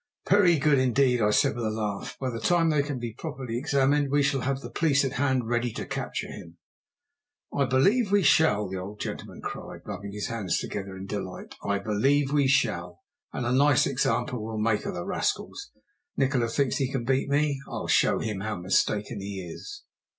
"Very good indeed," I said with a laugh. "By the time they can be properly examined we shall have the police at hand ready to capture him." "I believe we shall," the old gentleman cried, rubbing his hands together in delight "I believe we shall. And a nice example we'll make of the rascals. Nikola thinks he can beat me; I'll show him how mistaken he is!"